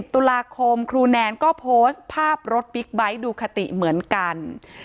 ตุลาคมครูแนนก็โพสต์ภาพรถบิ๊กไบท์ดูคติเหมือนกัน